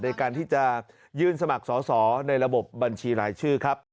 ในการที่จะยื่นสมัครสอสอในระบบบัญชีรายชื่อครับ